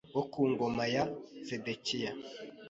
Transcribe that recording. wo ku ngoma ya Sedekiya